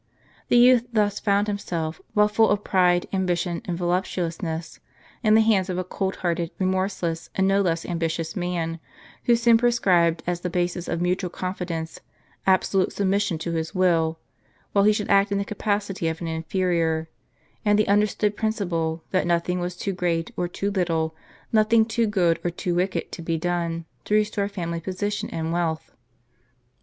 The youth thus found himself, while full of pride, ambition, and voluptuousness, in the hands of a cold hearted, remorseless, and no less ambitious man, who soon prescribed as the basis of mutual confidence, absolute submission to his will, while he should act in the capacity of an inferior, and the understood principle, that nothing was too great or too little, nothing too good or too wicked to be done, to restore family position and wealth.